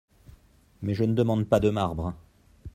Mais je ne demande pas de marbre.